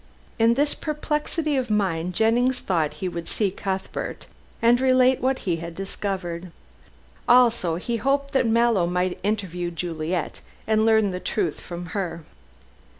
In this perplexity of mind Jennings thought he would see Cuthbert and relate what he had discovered. Also he hoped that Mallow might interview Juliet and learn the truth from her.